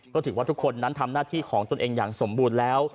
ก็ถือว่าทุกคนนั้นทำหน้าที่ของตนเองอย่างสมบูรณ์แล้ว